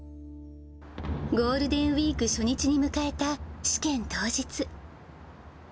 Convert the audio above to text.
ゴールデンウィーク初日に迎えた試験当日。